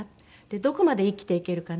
どこまで生きていけるかな？